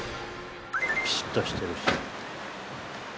ピシッとしてるし。